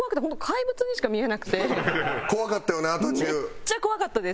めっちゃ怖かったです。